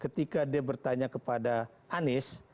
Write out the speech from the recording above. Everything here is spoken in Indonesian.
ketika dia bertanya kepada anies